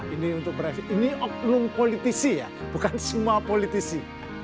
ini untuk ini oknum politisi ya bukan semua politisi